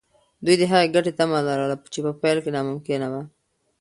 دوی د هغې ګټې تمه لرله چې په پیل کې ناممکنه وه.